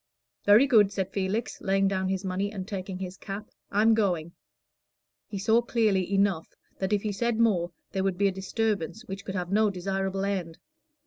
"Very good," said Felix, laying down his money and taking his cap. "I'm going." He saw clearly enough that if he said more, there would be a disturbance which could have no desirable end.